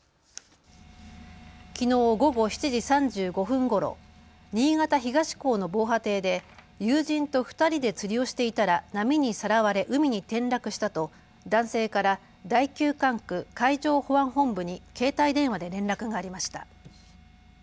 きのう、午後７時３５分ごろ新潟東港の防波堤で友人と２人で釣りをしていたら波にさらわれ海に転落したと男性から第９管区海上保安本部に携帯電話で連絡がありました。